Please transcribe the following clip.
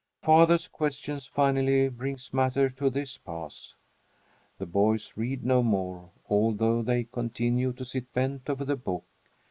Father's questions finally bring matters to this pass: the boys read no more, although they continue to sit bent over the book.